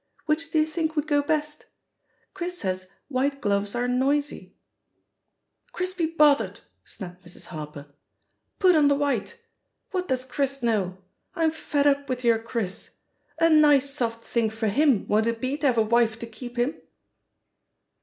"Which do you think would go best? Chris says white gloves are 'noisy/ " "Chris be bothered," snapped Mrs. Harper. "Put on the white! What does Chris know? I'm fed up with your Chris. A nice soft thing for him, won't it be, to have a wife to keep him?"